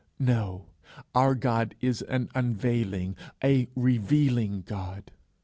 No, our God is an unveiling, a revealing God.